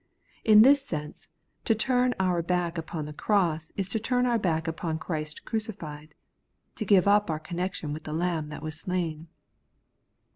In this sense, to turn our back upon the cross is to turn our back upon Christ crucified, — to give up our connection with the Lamb that was slain.